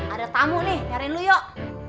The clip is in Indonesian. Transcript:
ada tamu nih nyari lu yuk